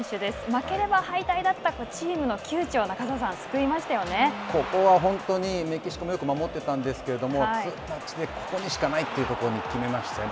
負ければ敗退だったチームの窮地をここは本当にメキシコもよく守っていたんですけれども、ツータッチでここしかないというところに決めましたね。